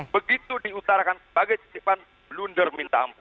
begitu diutarakan sebagai titipan blunder mintamu